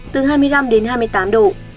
từ hai mươi năm hai mươi tám độ